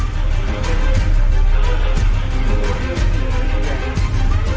โหย